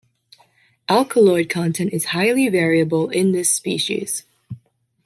Alkaloid content is highly variable in this species.